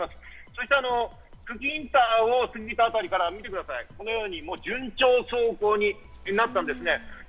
そして久喜インターを過ぎたあたりから見てください、このように順調走行になったんですね。